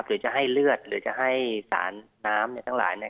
หรือจะให้เลือดหรือจะให้สารน้ำทั้งหลาย